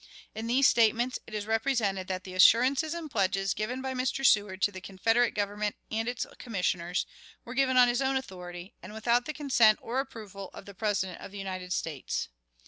In these statements it is represented that the assurances and pledges, given by Mr. Seward to the Confederate Government and its Commissioners, were given on his own authority, and without the consent or approval of the President of the United States.